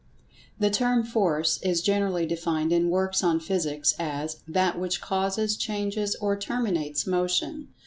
The term "Force" is generally defined in works on Physics as "That which causes, changes or terminates Motion."